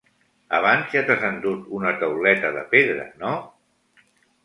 Abans ja t'has endut una tauleta de pedra, no?